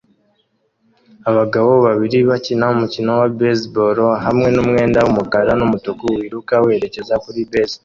Abagabo babiri bakina umukino wa baseball hamwe numwenda wumukara numutuku wiruka werekeza kuri base